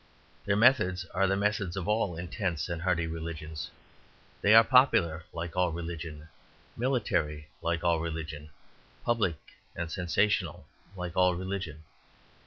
Their methods are the methods of all intense and hearty religions; they are popular like all religion, military like all religion, public and sensational like all religion.